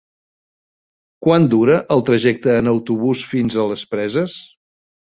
Quant dura el trajecte en autobús fins a les Preses?